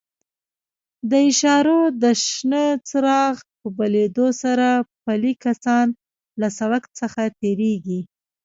د اشارو د شنه څراغ په بلېدو سره پلي کسان له سړک څخه تېرېږي.